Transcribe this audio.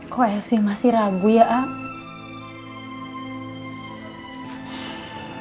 kok elsie masih ragu ya ah